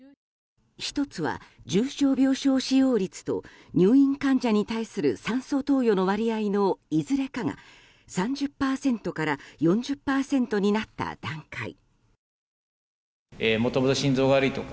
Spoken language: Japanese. １つは重症病床使用率と入院患者に対する酸素投与の割合のいずれかが３０％から４０％になった段階。